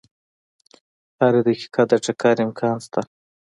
هره دقیقه د ټکر امکان شته.